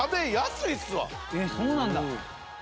えっそうなんだ。